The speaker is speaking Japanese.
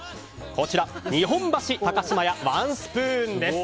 こちら日本橋高島屋ワンスプーンです。